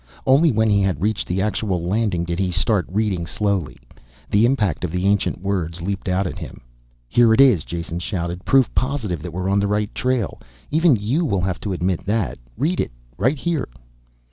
Only when he had reached the actual landing did he start reading slowly. The impact of the ancient words leaped out at him. "Here it is," Jason shouted. "Proof positive that we're on the right trail. Even you will have to admit that. Read it, right here."